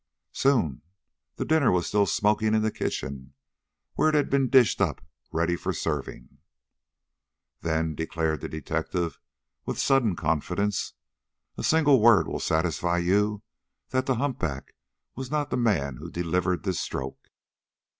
"Soon. The dinner was still smoking in the kitchen, where it had been dished up ready for serving." "Then," declared the detective with sudden confidence, "a single word will satisfy you that the humpback was not the man who delivered this stroke.